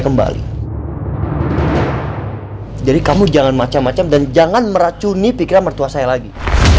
kembali jadi kamu jangan macam macam dan jangan meracuni pikiran mertua saya lagi